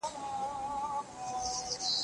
املا د ذهني فعالیت تمرین دی.